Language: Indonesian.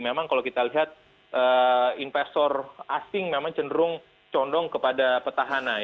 memang kalau kita lihat investor asing memang cenderung condong kepada petahana